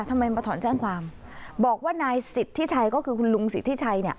ทำไมมาถอนแจ้งความบอกว่านายสิทธิชัยก็คือคุณลุงสิทธิชัยเนี่ย